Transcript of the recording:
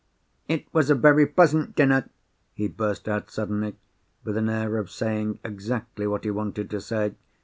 "It was a very pleasant dinner," he burst out suddenly, with an air of saying exactly what he wanted to say.